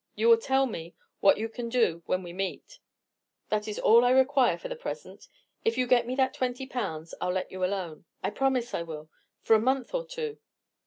You will tell me what you can do when we meet. That is all I require for the present. If you get me that twenty pounds I'll let you alone—I promise I will—for a month or two."